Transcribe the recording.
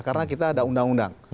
karena kita ada undang undang